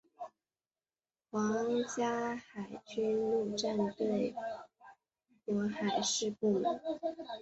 皇家海军陆战队并与皇家海军构成为英国海事部门。